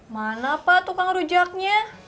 mana pak tukang rujaknya